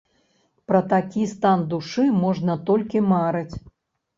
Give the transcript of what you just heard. Пра такі стан душы можна толькі марыць!